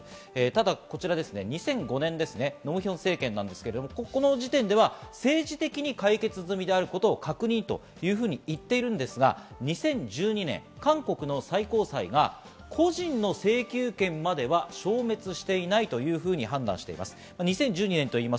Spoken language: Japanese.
ただ２００５年、ノ・ムヒョン政権ですが、この時点では政治的に解決済みであること確認と言っているんですが、２０１２年、韓国の最高裁が個人の請求権までは消滅していないというふうに判断しています。